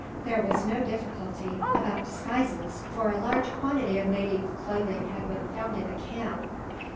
There was no difficulty about disguises, for a large quantity of native clothing had been found in the camp.